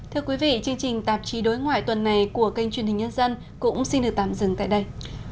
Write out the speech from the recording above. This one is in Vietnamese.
thưa quý vị chương trình tạp chí đối ngoại tuần này của kênh truyền hình nhân dân cũng xin được tạm dừng tại đây